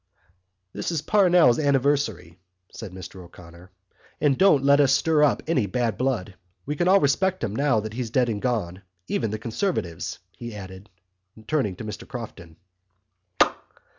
"This is Parnell's anniversary," said Mr O'Connor, "and don't let us stir up any bad blood. We all respect him now that he's dead and gone—even the Conservatives," he added, turning to Mr Crofton.